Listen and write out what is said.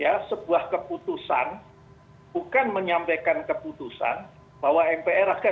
ya sebuah keputusan bukan menyampaikan keputusan bahwa mpr akan